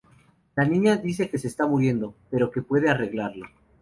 La niña dice que se está muriendo, pero que puede arreglarlo.